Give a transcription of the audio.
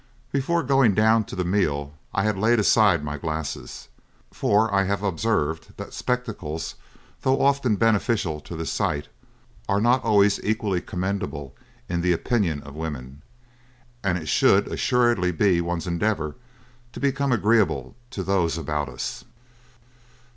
"Before going down to the meal I had laid aside my glasses, for I have observed that spectacles, though often beneficial to the sight, are not always equally commendable in the opinion of women; and it should assuredly be one's endeavour to become agreeable to those about us.